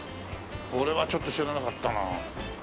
これはちょっと知らなかったな。